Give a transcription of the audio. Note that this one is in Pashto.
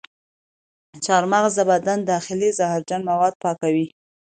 چارمغز د بدن داخلي زهرجن مواد پاکوي.